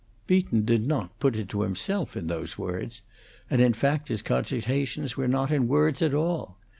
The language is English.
Beaton did not put it to himself in those words; and in fact his cogitations were not in words at all.